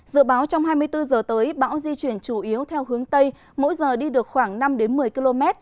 dự báo trong hai mươi bốn h tới bão di chuyển chủ yếu theo hướng tây mỗi giờ đi được khoảng năm một mươi km